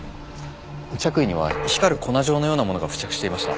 着衣には光る粉状のようなものが付着していました。